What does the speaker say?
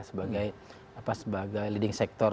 sebagai leading sektor